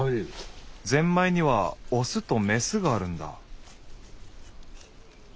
ぜんまいにはオスとメスがあるんだ。